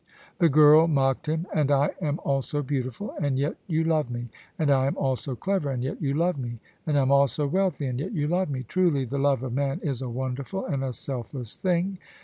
The girl mocked him. "And I am also beautiful, and yet you love me. And I am also clever, and yet you love me. And I am also wealthy, and yet you love me. Truly, the love of man is a wonderful and a selfless thing!